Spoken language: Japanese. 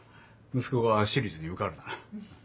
息子が私立に受かるなら。